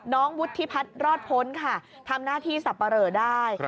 วุฒิพัฒน์รอดพ้นค่ะทำหน้าที่สับปะเหลอได้